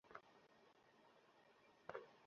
হ্যাঁ, তোমার বন্ধুদের জন্য।